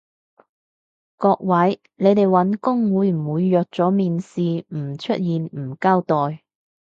各位，你哋搵工會唔會約咗面試唔出現唔交代？